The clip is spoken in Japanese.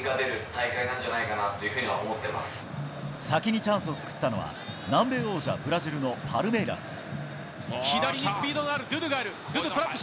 先にチャンスを作ったのは南米王者ブラジルのパルメイラス。